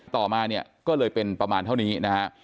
ต่อมาเนี่ยก็เลยเป็นประมาณเท่านี้นะฮะ